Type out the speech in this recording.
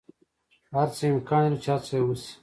هر څه امکان لری چی هڅه یی وشی